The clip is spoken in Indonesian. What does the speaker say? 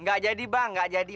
nggak jadi bang nggak jadi